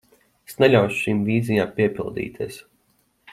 Es neļaušu šīm vīzijām piepildīties.